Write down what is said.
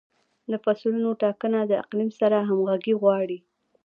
د فصلونو ټاکنه د اقلیم سره همغږي غواړي.